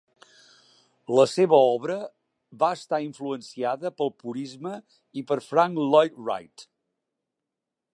La seva obra va estar influenciada pel purisme i per Frank Lloyd Wright.